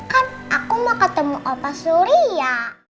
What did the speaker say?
kan aku mau ketemu opah suri ya